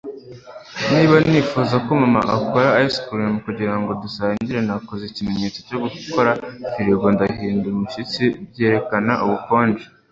Niba nifuzaga ko mama akora ice-cream kugirango dusangire nakoze ikimenyetso cyo gukora firigo ndahinda umushyitsi, byerekana ubukonje.